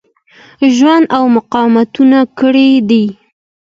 ژوند او مقاومتونه کړي دي.